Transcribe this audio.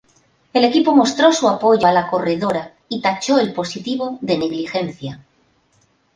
El equipo mostró su apoyo a la corredora y tachó el positivo de negligencia.